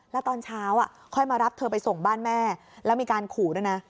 แล้วตอนเช้าค่อยมารับเธอไปส่งบ้านแม่แล้วมีการขู่ด้วยนะ